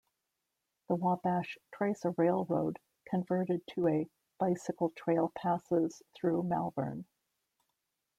The Wabash Trace-a railroad converted to a bicycle trail-passes through Malvern.